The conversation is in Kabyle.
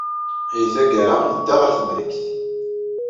Deg tgara, yedda ɣer Temrikt.